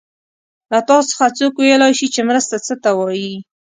له تاسو څخه څوک ویلای شي چې مرسته څه ته وايي؟